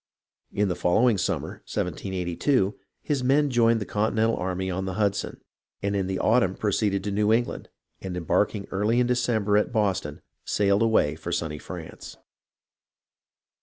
In the following summer (1782) his men joined the Continental army on the Hudson, and in the autumn proceeded to New England, and embarking early in December at Boston, sailed away for sunny France.